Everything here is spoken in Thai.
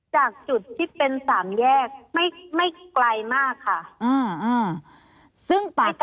จากจุดที่เป็นสามแยกไม่ไกลมากค่ะ